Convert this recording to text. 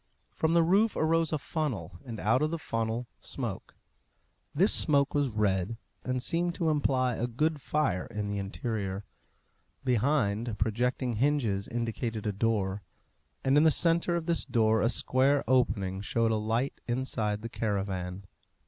From the roof arose a funnel, and out of the funnel smoke. This smoke was red, and seemed to imply a good fire in the interior. Behind, projecting hinges indicated a door, and in the centre of this door a square opening showed a light inside the caravan.